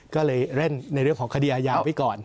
ก็เลยเล่นในเรื่องของคดีอาญาไว้ก่อน